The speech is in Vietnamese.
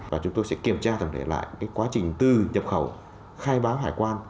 và chúng tôi sẽ kiểm tra thầm thể lại cái quá trình từ nhập khẩu khai báo hải quan